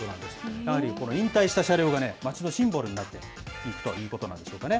やはり、この引退した車両が町のシンボルになっているということなんでしょうかね。